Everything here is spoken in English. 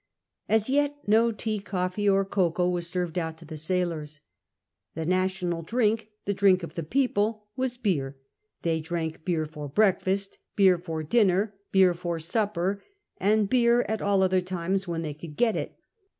As yet no tea, coffee, or cocoa was served out to the sailors. The national drink — the drink of the people — was beer ; they dmnk beer for breakfast, beer for dinner, beer for supper, and beer at all other times when they could get it.